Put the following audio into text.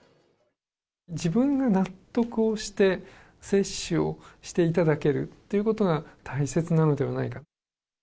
自分が納得をして接種をしていただけるということが大切なのではないか。